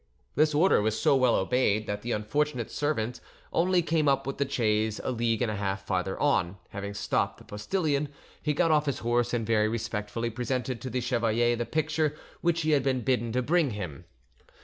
This order was so well obeyed that the unfortunate servant only came up with the chaise a league and a half farther on; having stopped the postillion, he got off his horse, and very respectfully presented to the chevalier the picture which he had been bidden to bring him.